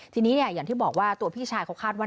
ทีนี้อย่างที่บอกว่าตัวพี่ชายเขาคาดว่า